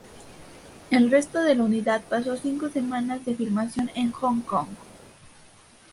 El resto de la unidad pasó cinco semanas de filmación en Hong Kong.